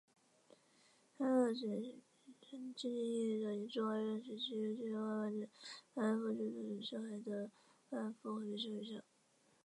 文苑楼前的草坪上静静矗立着一座代表二战时期千千万万“慰安妇”制度受害者的中韩“慰安妇”和平少女像